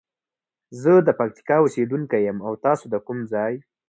زه د پکتیکا اوسیدونکی یم او تاسو د کوم ځاي؟